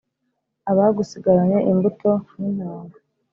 Abagusigaranye imbuto n’intanga